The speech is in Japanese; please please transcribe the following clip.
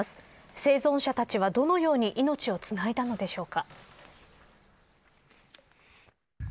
生存者たちはどのように命をつないだのでしょうか。